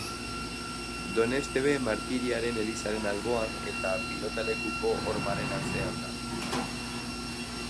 Doneztebe Martiriaren elizaren alboan eta pilotalekuko hormaren atzean dago.